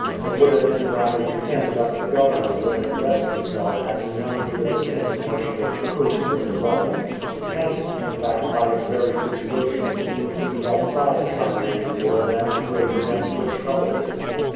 It would have been rather to him that the Governor would have addressed himself had he known who the pretended merchant of Irkutsk really was. Kamsk, in fact, by its very situation seemed to be outside the Siberian world and the grave events which troubled it.